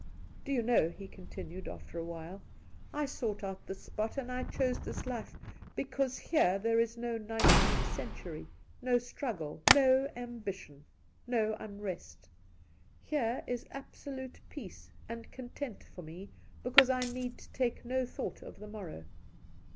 ' Do you know,' he continued after a while, ' I sought out this spot and I chose this life because here there is no nineteenth century, no struggle, no ambition, no unrest. Here is absolute peace and content for me because I need take no thought of the morrow.